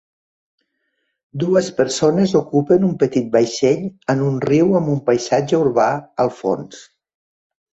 Dues persones ocupen un petit vaixell en un riu amb un paisatge urbà al fons.